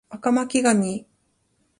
赤巻紙